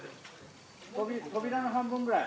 扉の半分ぐらい。